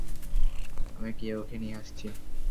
আমি গিয়ে ওকে নিয়ে আসছি।